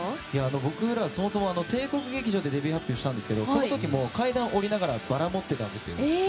僕ら、そもそも帝国劇場でデビュー発表したんですけどその時も階段を下りながらバラを持っていたんですよ。